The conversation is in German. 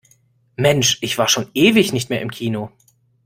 Mensch, ich war schon ewig nicht mehr im Kino.